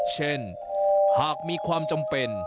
เช่นหากมีความจำเป็น